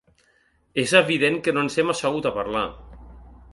És evident que no ens hem assegut a parlar.